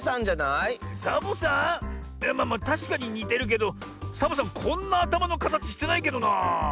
いやまあまあたしかににてるけどサボさんはこんなあたまのかたちしてないけどなあ。